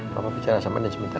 papa bicara sama nesmita